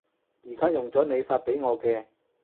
而家用咗你發畀我嘅